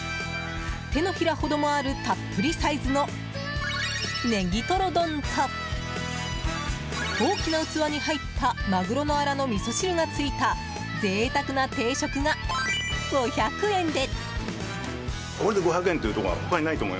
手のひらほどもあるたっぷりサイズのネギトロ丼と大きな器に入ったマグロのアラのみそ汁が付いた贅沢な定食が５００円で。